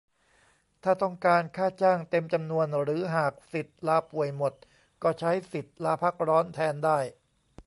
ถ้าต้องการค่าจ้างเต็มจำนวน หรือหากสิทธิ์ลาป่วยหมด ก็ใช้สิทธิ์ลาพักร้อนแทนได้